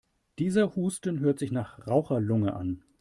Dieser Husten hört sich nach Raucherlunge an.